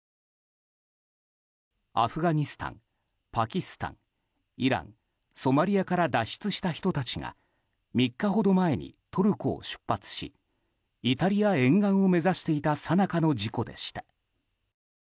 アフガニスタン、パキスタンイラン、ソマリアから脱出した人たちが３日ほど前にトルコを出発しイタリア沿岸を目指していたさなかの事故でした。